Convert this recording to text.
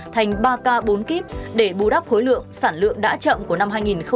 thành ba k bốn kip để bù đắp khối lượng sản lượng đã chậm của năm hai nghìn hai mươi